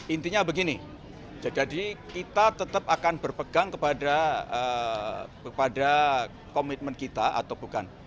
intinya begini jadi kita tetap akan berpegang kepada komitmen kita atau bukan